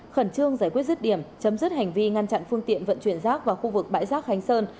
khẩn trương giải quyết rứt điểm chấm dứt hành vi ngăn chặn phương tiện vận chuyển rác vào khu vực bãi rác khánh sơn